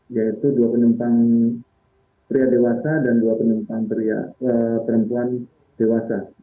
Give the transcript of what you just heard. yaitu dua penumpang pria dewasa dan dua penumpang perempuan dewasa